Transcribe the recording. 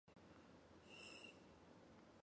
戴德洛斯以南是阿德加蓝草原以北的大草原。